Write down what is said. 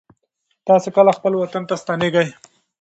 تاسې کله خپل وطن ته ستنېږئ؟